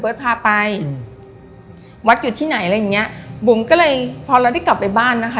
พาไปอืมวัดอยู่ที่ไหนอะไรอย่างเงี้ยบุ๋มก็เลยพอเราได้กลับไปบ้านนะคะ